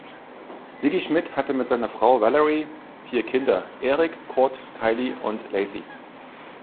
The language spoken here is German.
Sigi Schmid hatte mit seiner Frau Valerie vier Kinder: Erik, Kurt, Kyle und Lacey.